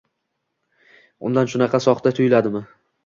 Undan shunaqa soxta tuyuladimi?